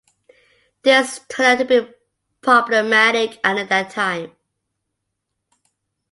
This turned out to be problematic at that time.